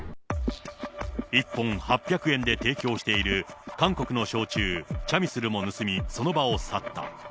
１本８００円で提供している韓国の焼酎、チャミスルも盗み、その場を去った。